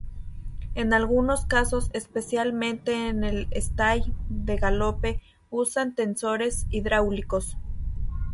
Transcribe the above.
En algunos casos, especialmente en el estay de galope usan tensores hidráulicos.